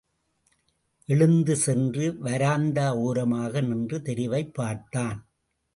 எழுந்து சென்று, வராந்தா ஓரமாக நின்று தெருவைப் பார்த்தான்.